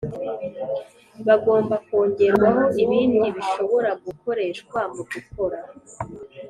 Bagomba kongerwaho ibindi bishobora gukoreshwa mu gukora